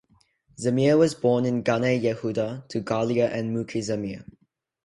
Zamir was born in Ganei Yehuda to Galia and Muki Zamir.